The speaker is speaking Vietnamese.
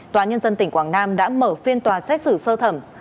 tòa nhân dân tỉnh quảng nam đã mở phiên tòa xét xử sơ thẩm